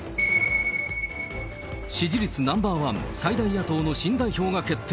支持率ナンバー１、最大野党の新代表が決定。